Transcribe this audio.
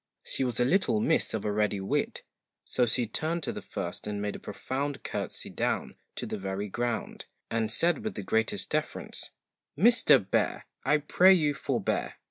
She was a little miss of a ready wit ; so she turned to the first and made a profound CURTSY down to the very ground, and said with the greatest deference 'MISTER BEAR, I pray you FORBEAR!'